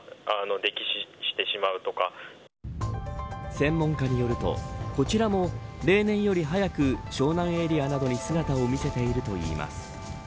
専門家によると、こちらも例年より早く湘南エリアなどに姿を見せているといいます。